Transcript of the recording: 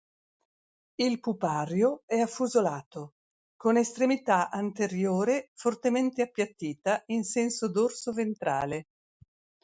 Il pupario è affusolato, con estremità anteriore fortemente appiattita in senso dorso-ventrale.